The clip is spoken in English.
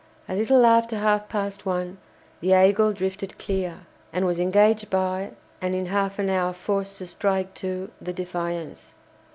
A little after half past one the "Aigle" drifted clear, and was engaged by, and in half an hour forced to strike to, the "Defiance."